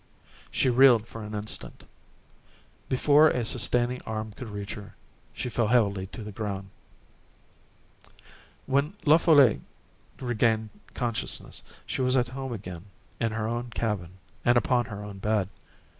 She reeled for an instant. Before a sustaining arm could reach her, she fell heavily to the ground. When La Folle regained consciousness, she was at home again, in her own cabin and upon her own bed.